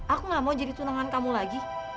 aku gak mau jadi tunangan kamu lagi